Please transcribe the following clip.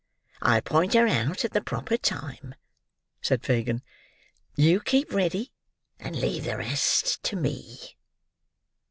I'll point her out at the proper time," said Fagin. "You keep ready, and leave the rest to me."